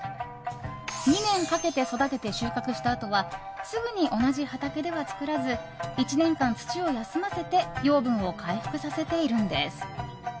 ２年かけて育てて収穫したあとはすぐに同じ畑では作らず１年間、土を休ませて養分を回復させているんです。